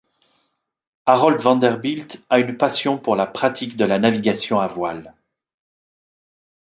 Harold Vanderbilt a une passion pour la pratique de la navigation à voile.